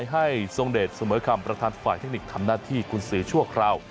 ซึษฐ์ไดดเหมาะกันตราต่างสำคัญเทคนิคทำหน้าที่คุณศือโชคราว